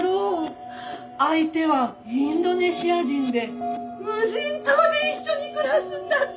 相手はインドネシア人で無人島で一緒に暮らすんだってよ！